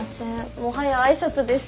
もはや挨拶です。